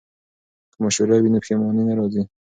که مشوره وي نو پښیماني نه راځي.